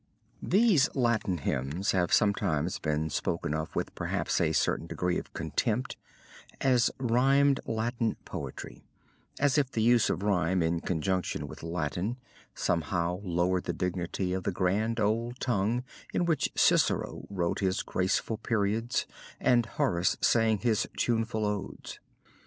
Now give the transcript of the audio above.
These Latin hymns have sometimes been spoken of with perhaps a certain degree of contempt as "rhymed Latin poetry," as if the use of rhyme in conjunction with Latin somehow lowered the dignity of the grand old tongue in which Cicero wrote his graceful periods and Horace sang his tuneful odes.